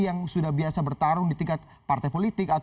yang sudah biasa bertarung di tingkat partai politik